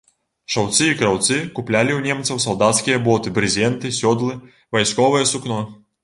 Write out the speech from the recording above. Шаўцы і краўцы куплялі ў немцаў салдацкія боты, брызенты, сёдлы, вайсковае сукно.